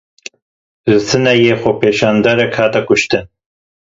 Li Sineyê xwepêşanderek hat kuştin.